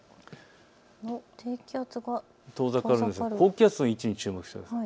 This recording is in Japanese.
低気圧が遠ざかるんですが高気圧の位置に注目してください。